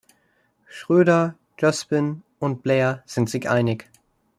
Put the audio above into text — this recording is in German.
Schröder, Jospin und Blair sind sich einig.